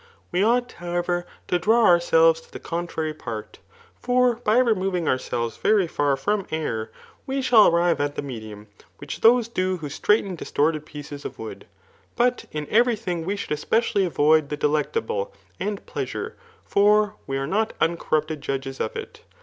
We ought, however, to draw ourselves to the cpntrary part j for by removing ourselves very far from error, we shall arrive at the medium, which those do who straighten distorted pieces of wood. But in every thing we should especially avoid the delectable and plea* sure; for we are not uncorrupted judges of it.